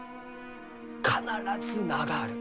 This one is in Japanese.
必ず名がある！